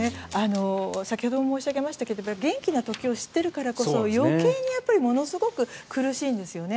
先ほども申し上げましたが元気な時を知っているからこそ余計にものすごく苦しいんですよね。